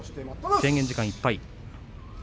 制限時間いっぱいです。